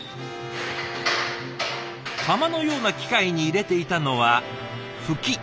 かまのような機械に入れていたのはフキ。